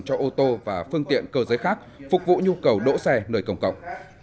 cho ô tô và phương tiện cơ giới khác phục vụ nhu cầu đỗ xe nơi công cộng